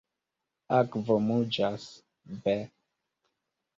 Akvo muĝas, ve.